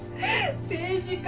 政治家？